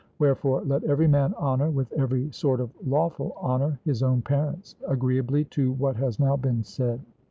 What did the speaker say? Wherefore let every man honour with every sort of lawful honour his own parents, agreeably to what has now been said.